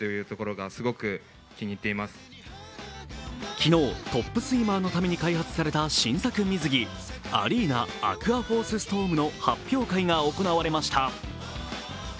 昨日、トップスイマーのために開発された新作水着アリーナアクアフォースストームの発表会が行われました。